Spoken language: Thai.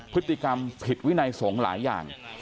พฤติกรรมผิดวินัยสงฆ์หลายอย่าง